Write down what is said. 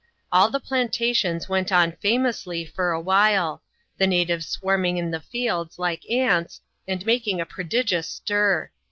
All the plantations went on famously for a while ; the natives swarming in the fields, like ants, and making a prodigious stir.